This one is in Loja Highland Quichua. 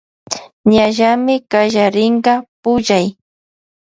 Ñallamy kallarinka pullay.